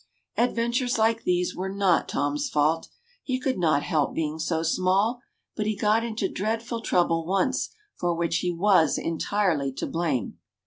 Adventures like these were not Tom's fault. He could not help being so small, but he got into dreadful trouble once for which he was entirely to blame.